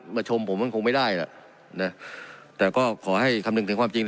ชมผมมันคงไม่ได้ล่ะนะแต่ก็ขอให้คำนึงถึงความจริง